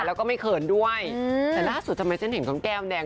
แล้วก็ไม่เขินด้วยแต่ล่าสุดทำไมฉันเห็นน้องแก้มแดง